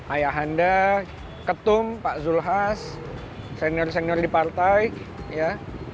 ayahanda ketum pak zulhas senior senior di partai ya